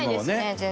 全然。